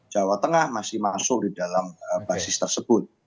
jawa tengah masih masuk di dalam basis tersebut